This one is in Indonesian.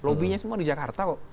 lobby nya semua di jakarta kok